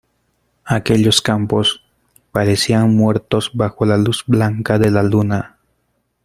aquellos campos parecían muertos bajo la luz blanca de la luna: